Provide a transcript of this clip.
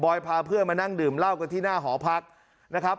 พาเพื่อนมานั่งดื่มเหล้ากันที่หน้าหอพักนะครับ